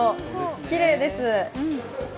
きれいです。